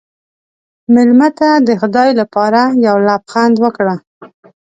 مېلمه ته د خدای لپاره یو لبخند ورکړه.